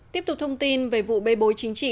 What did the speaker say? tiếp tục thông tin về vụ bê bối chính trị